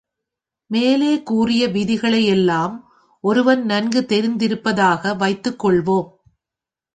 மேலே கூறிய விதிகளை யெல்லாம் ஒருவன் நன்கு தெரிந்திருப்பதாக வைத்துக் கொள்வோம்.